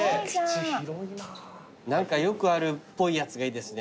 何かよくあるっぽいやつがいいですね。